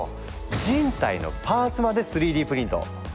人体のパーツまで３Ｄプリント！